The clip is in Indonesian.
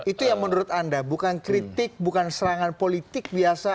itu yang menurut anda bukan kritik bukan serangan politik biasa